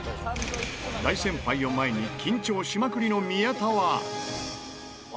大先輩を前に緊張しまくりの宮田は。